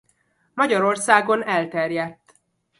Magyarországon elterjedt.